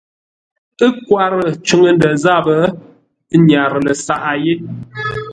Ə́ nkwarə́ cʉŋə ndə̂ záp, ə́ nyárə́ ləsaʼá yé.